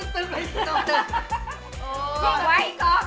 พร่ิกไว้ของอีกมึง